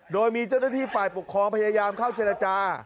โดยมีเจ้าหน้าที่ฝ่ายปกครองพยายามเข้าเจรจา